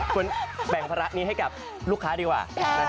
แบ่งภาระนี้ให้กับลูกค้าดีกว่า